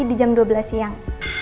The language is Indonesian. di jam dua belas siang